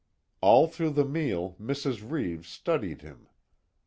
All through the meal Mrs. Reeves studied him.